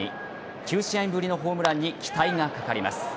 ９試合ぶりのホームランに期待がかかります。